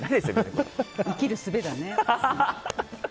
生きるすべだね。